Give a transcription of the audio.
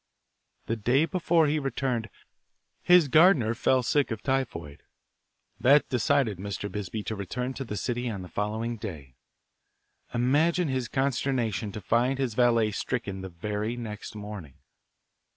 The day before he returned, his gardener fell sick of typhoid. That decided Mr. Bisbee to return to the city on the following day. Imagine his consternation to find his valet stricken the very next morning.